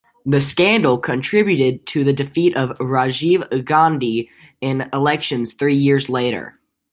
The scandal contributed to the defeat of Rajiv Gandhi in elections three years later.